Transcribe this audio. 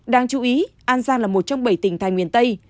đáng chú ý an giang là một trong bảy tỉnh thái nguyên tây